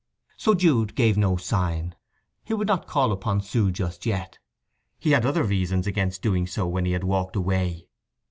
So Jude gave no sign. He would not call upon Sue just yet. He had other reasons against doing so when he had walked away.